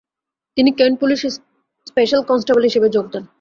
তিনি কেন্ট পুলিশে special constable হিসেবে যোগ দেন।